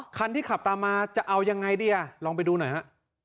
คันที่ขับตามมาจะเอายังไงดีอ่ะลองไปดูหน่อยฮะ